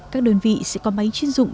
các đơn vị sẽ có máy chuyên dụng